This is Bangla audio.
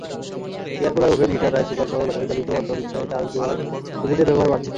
এয়ারকুলার, ওভেন, হিটার, রাইস কুকারসহ ব্যাটারিচালিত অটোরিকশায় চার্জ দেওয়ায় বিদ্যুতের ব্যবহার বাড়ছে।